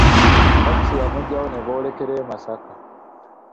Takisi yamuggyawo ne boolekera e Masaka.